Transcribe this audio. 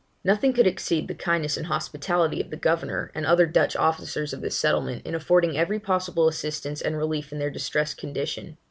Nothing could exceed the kindness and hospitality of the governor and other Dutch officers of this settlement, in affording every possible assistance and relief in their distressed condition.